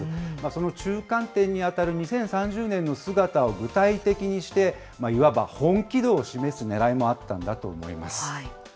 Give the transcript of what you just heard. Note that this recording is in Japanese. その中間点に当たる２０３０年の姿を具体的にして、いわば本気度を示すねらいもあったんだと思います。